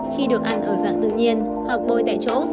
khi được ăn ở dạng tự nhiên học bôi tại chỗ